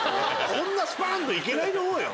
スパンといけないと思うよ。